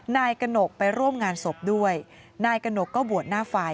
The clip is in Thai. นายกระหนกไปร่วมงานศพด้วยนายกระหนกก็บวชหน้าไฟ